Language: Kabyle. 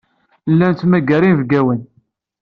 Nella nettmagar inebgawen.